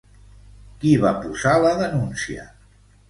Qui va posar la denúncia?